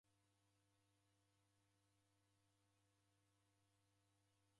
Toe wadaghesha w'ei naw'emkalia